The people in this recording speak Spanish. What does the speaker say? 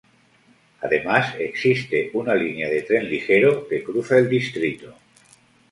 Además, existe una línea de tren ligero que cruza el distrito.